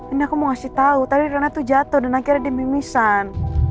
ini aku mau kasih tau tadi rena tuh jatuh dan akhirnya ada demimisan